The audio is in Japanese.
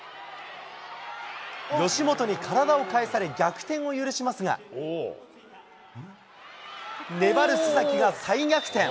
吉元に体を返され、逆転を許しますが、粘る須崎が再逆転。